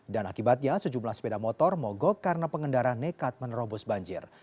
dan akibatnya sejumlah sepeda motor mogok karena pengendara nekat menerobos banjir